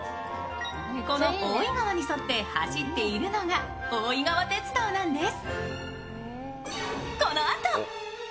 この大井川に沿って走っているのが大井川鐵道なんです。